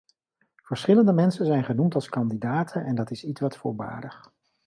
Verschillende mensen zijn genoemd als kandidaten en dat is ietwat voorbarig.